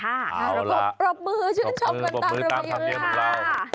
เอาล่ะรบมือชื่นชอบกันตามรบมือค่ะสุดท้าย